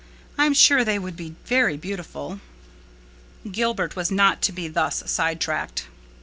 I'm sure they would be very beautiful." Gilbert was not to be thus sidetracked.